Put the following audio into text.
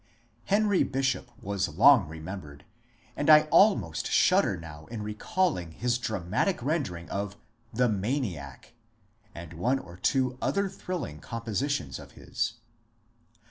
Henry Bishop was long remembered, and I almost shudder now in recalling his dramatic rendering of ^^ The Maniac," and one or two other thrilling compositions of his.